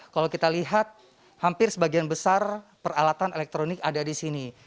kalau kita lihat hampir sebagian besar peralatan elektronik ada di sini